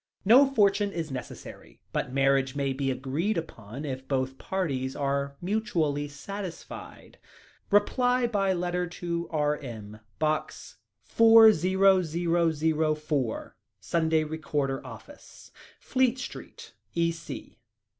No fortune is necessary, but marriage may be agreed upon if both parties are mutually satisfied. Reply by letter to R.M., Box 40,004, Sunday Recorder Office, Fleet Street, E.C."